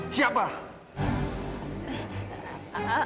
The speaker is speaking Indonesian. siapa yang mengikut rontakan kalian